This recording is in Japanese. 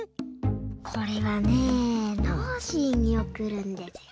これはねノージーにおくるんですよ。